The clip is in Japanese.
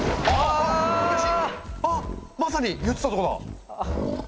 あまさに言ってたとこだ。